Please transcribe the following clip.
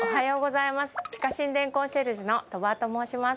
地下神殿コンシェルジュの鳥羽と申します。